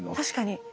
確かに。